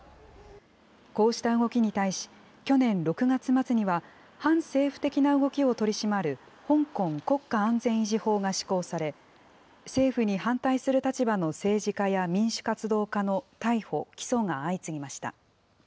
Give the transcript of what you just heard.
こうした動きに対し、去年６月末には、反政府的な動きを取り締まる香港国家安全維持法が施行され、政府に反対する立場の政治家や民主活動家の逮捕・起訴が相次ぎました。